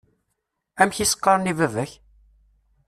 Amek i s-qqaṛen i baba-k?